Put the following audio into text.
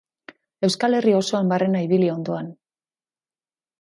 Euskal Herri osoan barrena ibili ondoan.